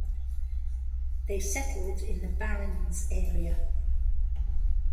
They settled in the Barrens area.